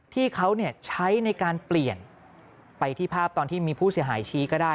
ที่เขาใช้ในการเปลี่ยนไปที่ภาพตอนที่มีผู้เสียหายชี้ก็ได้